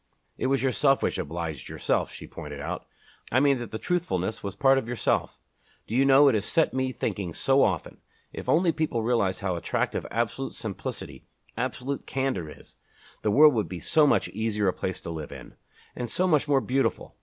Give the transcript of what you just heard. "It was yourself which obliged yourself," she pointed out, "I mean that the truthfulness was part of yourself. Do you know, it has set me thinking so often. If only people realized how attractive absolute simplicity, absolute candor is, the world would be so much easier a place to live in, and so much more beautiful!